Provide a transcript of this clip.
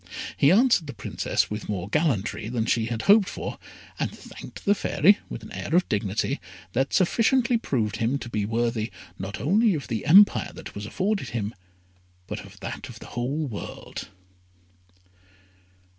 He answered the Princess with more gallantry than she had hoped for, and thanked the Fairy with an air of dignity that sufficiently proved him to be worthy not only of the empire that was offered him, but of that of the whole world.